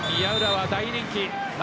宮浦は大人気。